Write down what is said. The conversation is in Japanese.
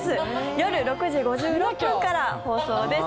夜６時５６分から放送です。